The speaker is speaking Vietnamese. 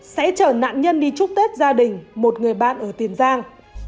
sẽ chở nạn nhân đi chúc tết gia đình một người bạn ở tiền giang